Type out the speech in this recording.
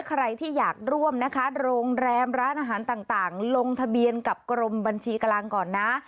ใครที่อยากร่วมนะคะโรงแรมร้านอาหารต่างลงทะเบียนกับกรมบัญชีกำลังก่อนนะ